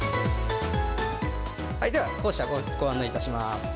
では、校舎ご案内いたします。